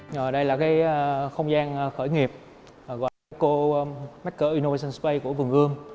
rồi đây là cái không gian khởi nghiệp gọi là eco maker innovation space của vườn ươm